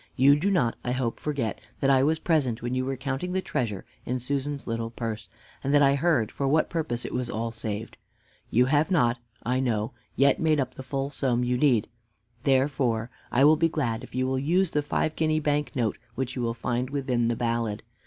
You do not, I hope, forget that I was present when you were counting the treasure in Susan's little purse, and that I heard for what purpose it was all saved. You have not, I know, yet made up the full sum you need; therefore, I will be glad if you will use the five guinea bank note which you will find within the ballad.